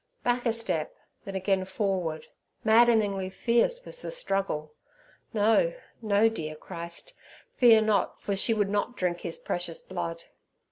Back a step, then again forward. Maddeningly fierce was the struggle. No, no, dear Christ; fear not, for she would not drink His precious blood.